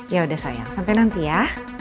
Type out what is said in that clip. yaudah sayang sampai nanti ya